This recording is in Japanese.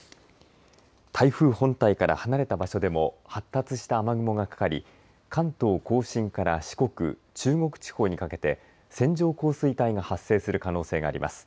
台風本体から離れた場所でも発達した雨雲がかかり関東甲信から四国・中国地方にかけて線状降水帯が発生する可能性があります。